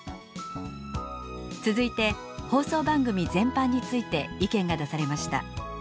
続いて放送番組全般について意見が出されました。